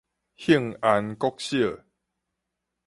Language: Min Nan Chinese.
幸安國小